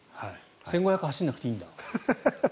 １５００走らなくていいんだって。